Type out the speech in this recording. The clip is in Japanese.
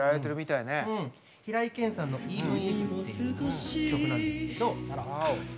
平井堅さんの「ｅｖｅｎｉｆ」っていう曲なんですけど。